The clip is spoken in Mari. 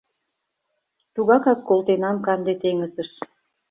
Тугакак колтенам канде теҥызыш».